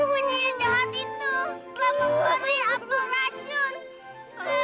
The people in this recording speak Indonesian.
penyihir jahat itu telah membuatnya abu racun